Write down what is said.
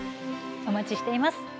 お待ちしています。